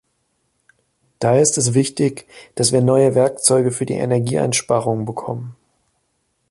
Daher ist es wichtig, dass wir neue Werkzeuge für die Energieeinsparung bekommen.